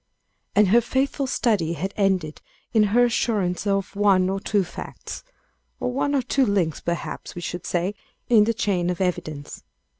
And her faithful study had ended in her assurance of one or two facts or one or two links, perhaps, we should say, in the chain of evidence.